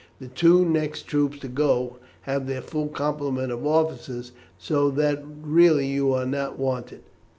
The two next troops to go have their full complement of officers, so that really you are not wanted."